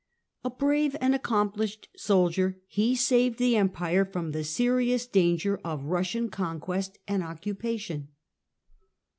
A brave and accomplished soldier, he saved the Empire from the serious danger of Kussian conquest and occupation.